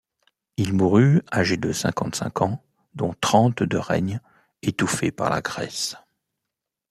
Il mourut âgé de cinquante-cinq ans dont trente de règne, étouffé par la graisse.